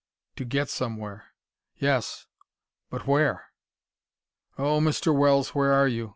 To get somewhere! Yes but where? "Oh, Mr. Wells, where are you?"